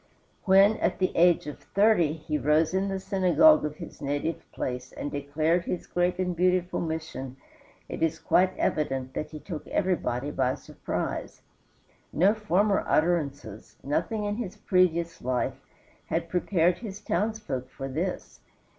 When, at the age of thirty, he rose in the synagogue of his native place and declared his great and beautiful mission it is quite evident that he took everybody by surprise. No former utterances, nothing in his previous life, had prepared his townsfolk for this.